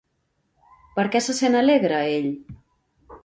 Per què se sent alegre ell?